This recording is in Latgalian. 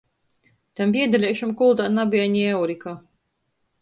Tam biedeleišam kuldā nabeja ni eurika.